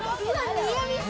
ニアミス。